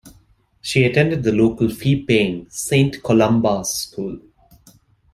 She attended the local fee paying Saint Columba's School.